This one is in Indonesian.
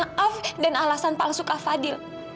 kata maaf dan alasan palsu kak fadil